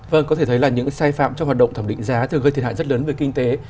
vâng có thể thấy là những sai phạm trong hoạt động thẩm định giá thường gây thiệt hại rất lớn về kinh tế